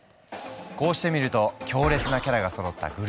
こうしてみると強烈なキャラがそろったグループＥ。